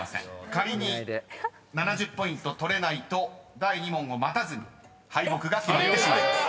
［仮に７０ポイント取れないと第２問を待たずに敗北が決まってしまいます］